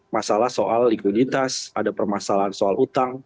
masalah soal likuiditas ada permasalahan soal utang